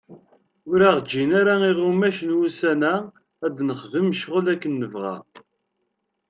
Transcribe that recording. Ur aɣ-gin ara iɣumac n wussan-a, ad nexdem ccɣel akken nebɣa.